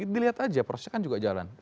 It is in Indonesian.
dilihat aja prosesnya kan juga jalan